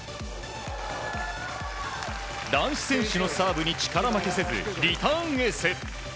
男子選手のサーブに力負けせずリターンエース！